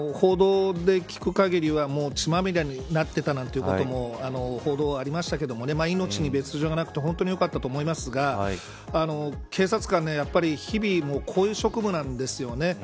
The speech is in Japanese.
報道で聞くかぎりは血まみれになっていたなんていうことも報道がありましたが命に別条がなくて本当によかったと思いますが警察官は日々こういう職務なんですよね。